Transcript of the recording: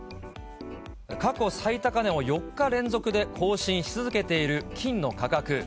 過去最高値を４日連続で更新し続けている金の価格。